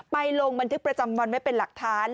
ลงบันทึกประจำวันไว้เป็นหลักฐาน